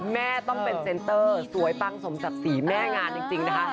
แม่ต้องเป็นเซ็นเตอร์สวยปังสมศักดิ์ศรีแม่งานจริงนะคะ